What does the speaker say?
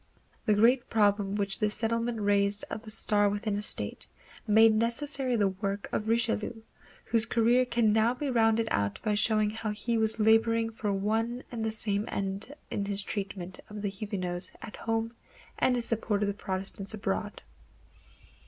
The great problem which this settlement raised of a state within a state, made necessary the work of Richelieu, whose career can now be rounded out by showing how he was laboring for one and the same end in his treatment of the Huguenots at home and his support of the Protestants abroad.